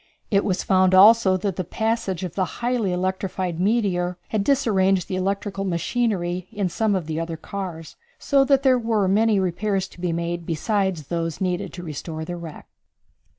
It was found also that the passage of the highly electrified meteor had disarranged the electrical machinery in some of the other cars, so that there were many repairs to be made besides those needed to restore the wreck.